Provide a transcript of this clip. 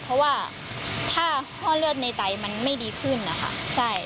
เพราะว่าถ้าห้อเลือดในไตมันไม่ดีขึ้นนะคะใช่